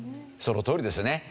そのとおりですね。